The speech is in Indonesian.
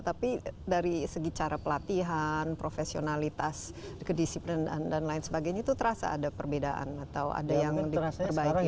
tapi dari segi cara pelatihan profesionalitas kedisiplinan dan lain sebagainya itu terasa ada perbedaan atau ada yang diperbaiki